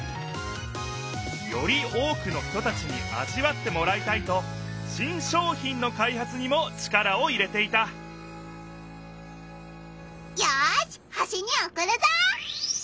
より多くの人たちにあじわってもらいたいと新商品の開発にも力を入れていたよし星におくるぞ！